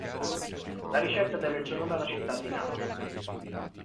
La ricetta deve il suo nome alla città di Napoli.